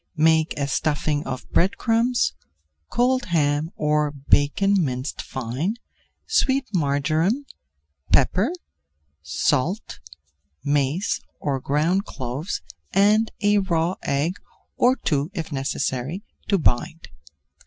Make a stuffing of bread crumbs, cold ham or bacon minced fine, sweet marjoram, pepper, salt, mace or ground cloves and a raw egg, or two if necessary, to bind.